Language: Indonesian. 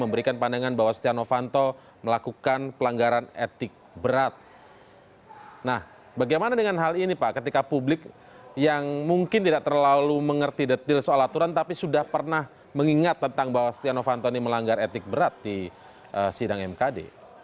nah bagaimana dengan hal ini pak ketika publik yang mungkin tidak terlalu mengerti detail soal aturan tapi sudah pernah mengingat tentang bahwa setia novanto ini melanggar etik berat di sidang mkd